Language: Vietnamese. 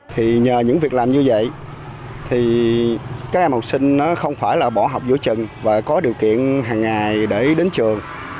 thì nhờ những việc làm như vậy thì các em học sinh nó không phải là bỏ học vô trường và có điều kiện hàng ngày để đến trường